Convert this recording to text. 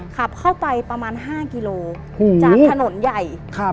ขับเข้าไปประมาณ๕กิโลจากถนนใหญ่